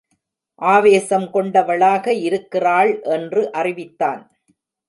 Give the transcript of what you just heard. ஆவேசம் கொண்டவளாக இருக்கிறாள் என்று அறிவித்தான்.